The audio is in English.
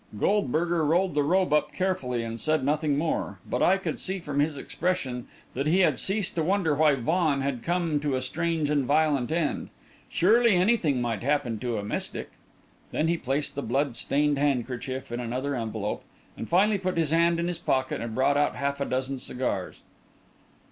Goldberger rolled the robe up carefully, and said nothing more; but I could see from his expression that he had ceased to wonder why Vaughan had come to a strange and violent end. Surely anything might happen to a mystic! Then he placed the blood stained handkerchief in another envelope, and finally put his hand in his pocket and brought out half a dozen cigars.